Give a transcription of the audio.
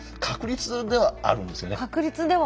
確率ではあるんですか。